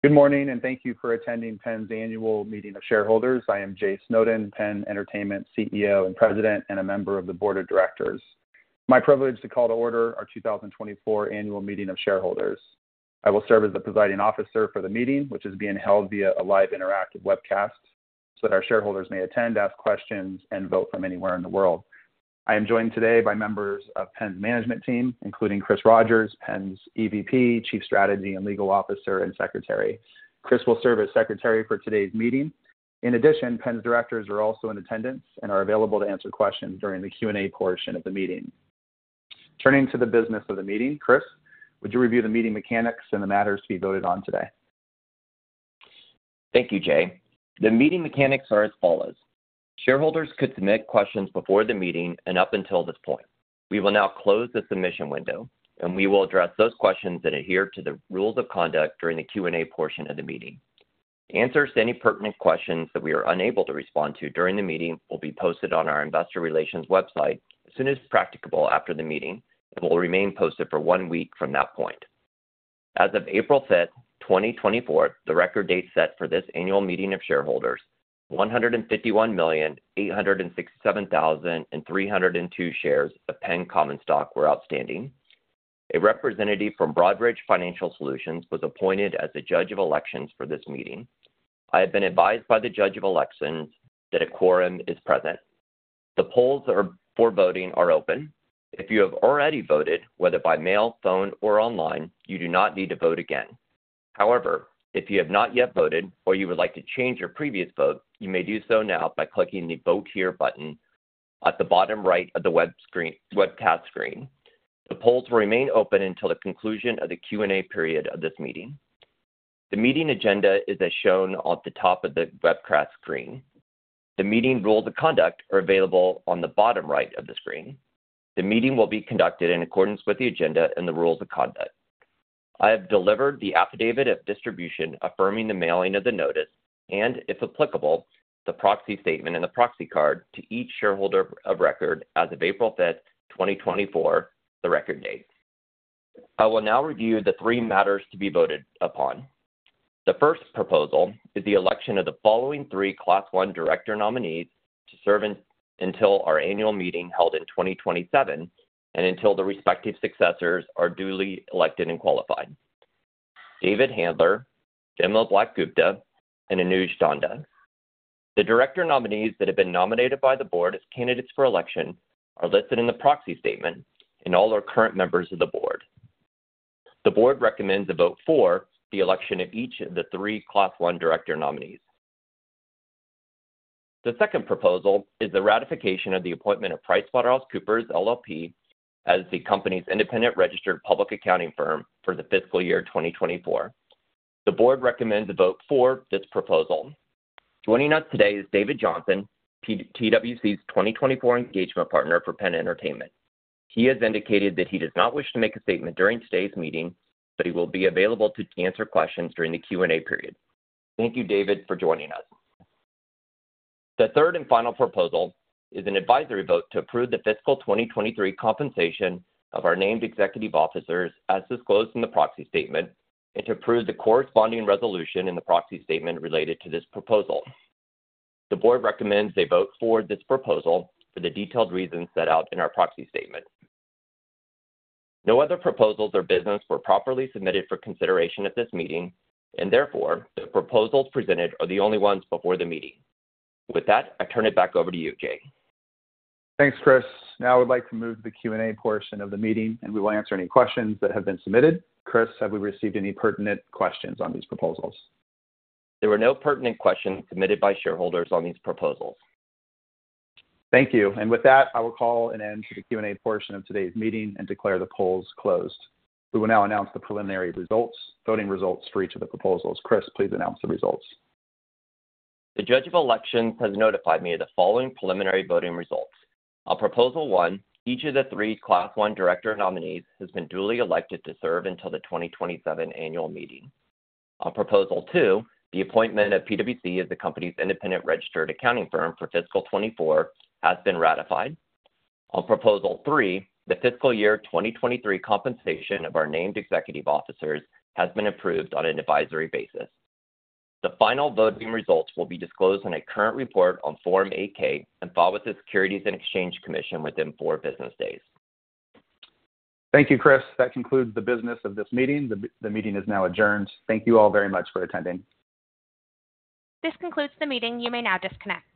Good morning, and thank you for attending Penn's annual meeting of shareholders. I am Jay Snowden, Penn Entertainment CEO and President, and a member of the board of directors. My privilege to call to order our 2024 annual meeting of shareholders. I will serve as the presiding officer for the meeting, which is being held via a live interactive webcast, so that our shareholders may attend, ask questions, and vote from anywhere in the world. I am joined today by members of Penn's management team, including Chris Rogers, Penn's EVP, Chief Strategy and Legal Officer, and Secretary. Chris will serve as secretary for today's meeting. In addition, Penn's directors are also in attendance and are available to answer questions during the Q&A portion of the meeting. Turning to the business of the meeting, Chris, would you review the meeting mechanics and the matters to be voted on today? Thank you, Jay. The meeting mechanics are as follows: shareholders could submit questions before the meeting and up until this point. We will now close the submission window, and we will address those questions that adhere to the rules of conduct during the Q&A portion of the meeting. Answers to any pertinent questions that we are unable to respond to during the meeting will be posted on our investor relations website as soon as practicable after the meeting and will remain posted for one week from that point. As of April 5th, 2024, the record date set for this annual meeting of shareholders, 151,867,302 shares of Penn common stock were outstanding. A representative from Broadridge Financial Solutions was appointed as the judge of elections for this meeting. I have been advised by the judge of elections that a quorum is present. The polls for voting are open. If you have already voted, whether by mail, phone, or online, you do not need to vote again. However, if you have not yet voted or you would like to change your previous vote, you may do so now by clicking the Vote Here button at the bottom right of the webcast screen. The polls will remain open until the conclusion of the Q&A period of this meeting. The meeting agenda is as shown on the top of the webcast screen. The meeting rules of conduct are available on the bottom right of the screen. The meeting will be conducted in accordance with the agenda and the rules of conduct. I have delivered the affidavit of distribution, affirming the mailing of the notice, and, if applicable, the proxy statement and the proxy card to each shareholder of record as of April 5th, 2024, the record date. I will now review the three matters to be voted upon. The first proposal is the election of the following three Class I director nominees to serve until our annual meeting held in 2027 and until the respective successors are duly elected and qualified. David Handler, Vimla Black-Gupta, and Anuj Dhanda. The director nominees that have been nominated by the board as candidates for election are listed in the proxy statement and all are current members of the board. The board recommends a vote for the election of each of the three Class I director nominees. The second proposal is the ratification of the appointment of PricewaterhouseCoopers LLP as the company's independent registered public accounting firm for the fiscal year 2024. The board recommends a vote for this proposal. Joining us today is David Johnson, PwC's 2024 engagement partner for Penn Entertainment. He has indicated that he does not wish to make a statement during today's meeting, but he will be available to answer questions during the Q&A period. Thank you, David, for joining us. The third and final proposal is an advisory vote to approve the fiscal 2023 compensation of our named executive officers, as disclosed in the proxy statement, and to approve the corresponding resolution in the proxy statement related to this proposal. The board recommends a vote for this proposal for the detailed reasons set out in our proxy statement. No other proposals or business were properly submitted for consideration at this meeting, and therefore, the proposals presented are the only ones before the meeting. With that, I turn it back over to you, Jay. Thanks, Chris. Now I would like to move to the Q&A portion of the meeting, and we will answer any questions that have been submitted. Chris, have we received any pertinent questions on these proposals? There were no pertinent questions submitted by shareholders on these proposals. Thank you. And with that, I will call an end to the Q&A portion of today's meeting and declare the polls closed. We will now announce the preliminary results, voting results for each of the proposals. Chris, please announce the results. The judge of elections has notified me of the following preliminary voting results. On Proposal One, each of the three Class I director nominees has been duly elected to serve until the 2027 annual meeting. On Proposal Two, the appointment of PwC as the company's independent registered accounting firm for fiscal 2024 has been ratified. On Proposal Three, the fiscal year 2023 compensation of our named executive officers has been approved on an advisory basis. The final voting results will be disclosed in a current report on Form 8-K and filed with the Securities and Exchange Commission within four business days. Thank you, Chris. That concludes the business of this meeting. The meeting is now adjourned. Thank you all very much for attending. This concludes the meeting. You may now disconnect.